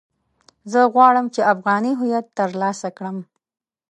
زه غواړم چې افغاني هويت ترلاسه کړم.